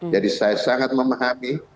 jadi saya sangat memahami